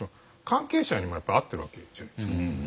関係者にもやっぱり会ってるわけじゃないですか。